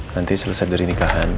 nanti selesai dari nikahan